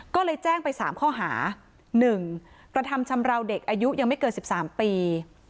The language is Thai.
ก็เลยแจ้งไป๓ข้อหา๑กระทำชำราวเด็กอายุยังไม่เกิน๑๓ปี